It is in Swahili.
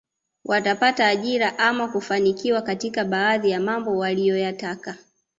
Watapata ajira ama kufanikiwa katika baadhi ya mambo waliyoyataka